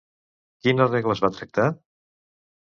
Quines regles va tractar?